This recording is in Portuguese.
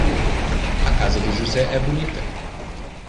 A casa do José é bonita.